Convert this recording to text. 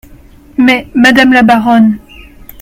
Mais, madame la baronne…